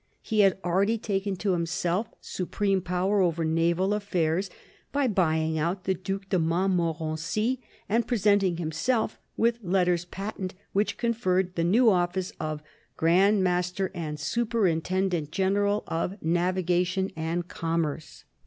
He had already taken to himself supreme power over naval affairs, by buying out the Due de Mont morency and presenting himself with letters patent which conferred the new office of Grand Master and Superinten dent General of Navigation and Commerce.